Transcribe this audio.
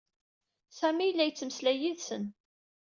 Sami yella yettmeslay yid-sen.